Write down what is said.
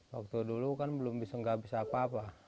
waktu dulu kan belum bisa nggak bisa apa apa